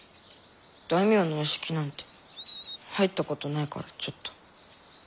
大名のお屋敷なんて入ったことないからちょっと。